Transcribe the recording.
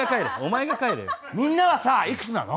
みんなはさ、いくつなの？